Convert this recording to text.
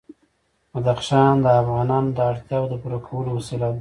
بدخشان د افغانانو د اړتیاوو د پوره کولو وسیله ده.